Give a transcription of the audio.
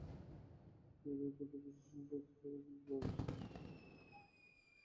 ইমরানের মধুবাজার শ্বশুর বাড়িতেও তিনতলার বারান্দা ছোঁয়া দুটো লম্বা নারিকেল গাছ ছিল।